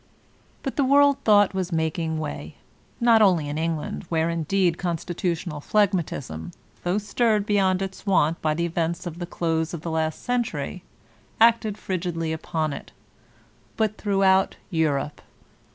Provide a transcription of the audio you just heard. But the world thought was making way, not only in England, where, indeed, constitutional phlq;matism, though stirred beyond its wont by the events of the dose of the last century, acted frigidly upon it, but through out Europe.